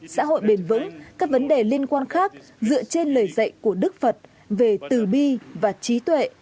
xã hội bền vững các vấn đề liên quan khác dựa trên lời dạy của đức phật về từ bi và trí tuệ